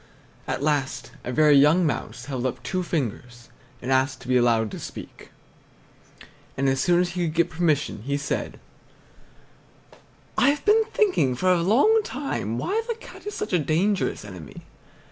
At last a very young mouse held up two fingers and asked to be allowed to speak, and as soon as he could get permission he said: "I've been thinking for a long time why the Cat is such a dangerous enemy.